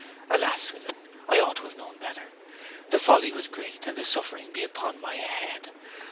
Alas, Swithin, I ought to have known better. The folly was great, and the suffering be upon my head!